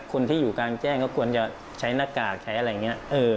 คนที่อยู่กลางแจ้งก็ควรจะใช้หน้ากากใช้อะไรอย่างนี้